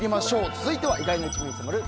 続いては意外な一面に迫る